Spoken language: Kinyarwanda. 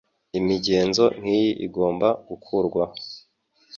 Imigenzo nkiyi igomba gukurwaho.